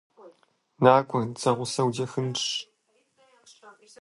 НакӀуэ, дызэгъусэу дехынщ.